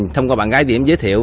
thông qua bạn gái diễm giới thiệu